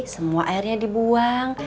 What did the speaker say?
semua airnya dibuang